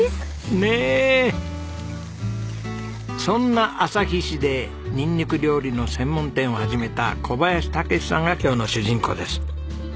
そんな旭市でニンニク料理の専門店を始めた小林武史さんが今日の主人公です。